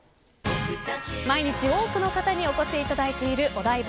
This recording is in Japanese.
毎日、多くの方にお越しいただいているお台場